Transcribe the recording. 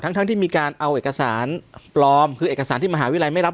ทั้งที่มีการเอาเอกสารปลอมคือเอกสารที่มหาวิทยาลัยไม่รับ